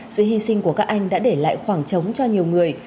sự hy sinh của các anh đã để lại khoảng trống cho nhiều người